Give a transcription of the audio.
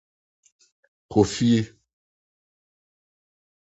Kɔ fie.